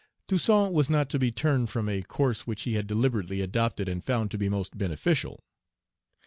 Toussaint was not to be turned from a course which he had deliberately adopted and found to be most beneficial.